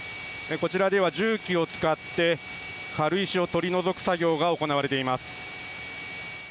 こちらでは重機を使って軽石を取り除く作業が行われています。